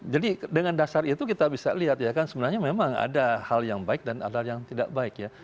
jadi dengan dasar itu kita bisa lihat ya kan sebenarnya memang ada hal yang baik dan ada yang tidak baik ya